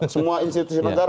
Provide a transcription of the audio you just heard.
semua institusi negara